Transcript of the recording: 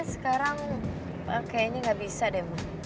sekarang kayaknya gak bisa deh ma